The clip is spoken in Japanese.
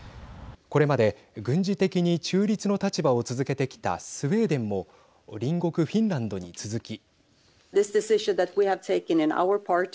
これまで軍事的に中立の立場を続けてきたスウェーデンも隣国フィンランドに続き。